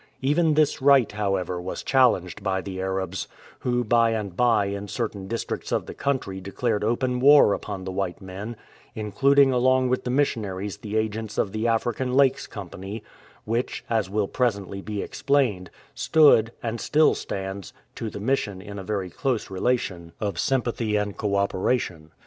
Even this right, however, was challenged by the Arabs, who by and by in certain districts of the country declared open war upon the white men, including along with the missionaries the agents of the African Lakes Company, which, as will presently be explained, stood, and still stands, to the Mission in a very close relation of 142 THE ARAB WAR sympathy and co operation.